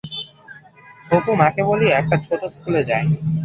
অপু মাকে বলিয়া কহিয়া একটা ছোট স্কুলে যায়।